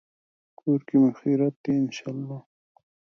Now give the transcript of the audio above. کور کې مو خیریت دی، ان شاءالله